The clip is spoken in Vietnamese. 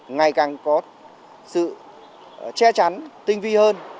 ngày càng có sự che chắn tinh vi hơn